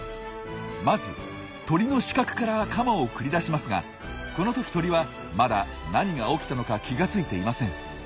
まず鳥の死角からカマを繰り出しますがこの時鳥はまだ何が起きたのか気が付いていません。